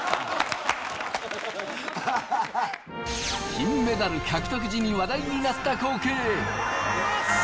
金メダル獲得時に話題になった光景。